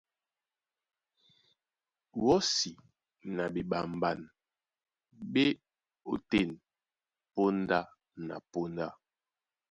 Wɔ́si na ɓeɓamɓan ɓá e ótên póndá na póndá.